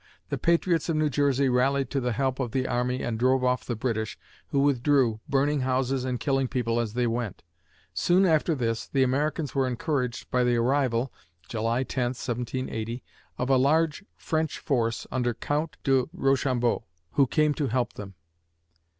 The patriots of New Jersey rallied to the help of the army and drove off the British, who withdrew, burning houses and killing people as they went. Soon after this, the Americans were encouraged by the arrival (July 10, 1780) of a large French force under Count de Rochambeau (ro sham bo), who came to help them.